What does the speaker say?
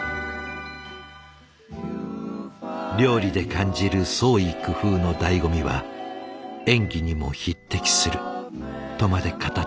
料理で感じる創意工夫のだいご味は演技にも匹敵するとまで語った梅宮。